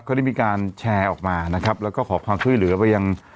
เขาได้มีการแชร์ออกมานะครับแล้วก็ขอความช่วยเหลือไปยัง